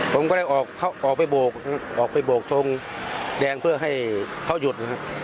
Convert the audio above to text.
ผมก็ได้ออกไปโบกออกไปโบกทงแดงเพื่อให้เขาหยุดนะครับ